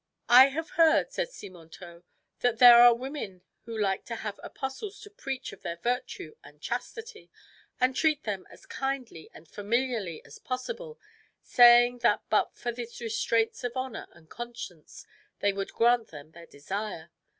"I have heard," said Simontault, "that there are women who like to have apostles to preach of their virtue and chastity, and treat them as kindly and familiarly as possible, saying that but for the restraints of honour and conscience they would grant them their desire.